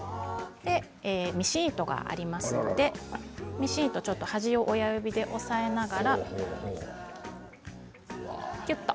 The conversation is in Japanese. ミシン糸がありますのでミシン糸を端を親指で押さえながらきゅっと。